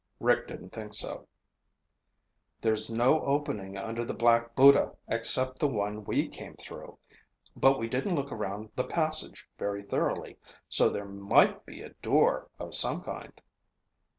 Rick didn't think so. "There's no opening under the Black Buddha except the one we came through. But we didn't look around the passage very thoroughly, so there might be a door of some kind."